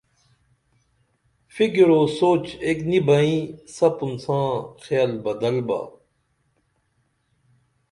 فکر و سوچ ایک نی بئیں سپُن ساں خیال بدل با